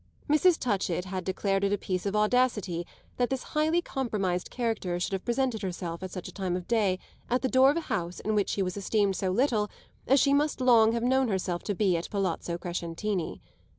Mrs. Touchett had declared it a piece of audacity that this highly compromised character should have presented herself at such a time of day at the door of a house in which she was esteemed so little as she must long have known herself to be at Palazzo Crescentini.